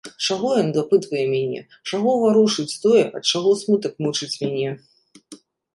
Чаго ён дапытвае мяне, чаго варушыць тое, ад чаго смутак мучыць мяне.